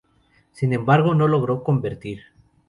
Sin embargo, no logró convertir.